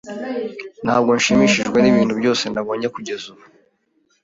Ntabwo nshimishijwe nibintu byose nabonye kugeza ubu.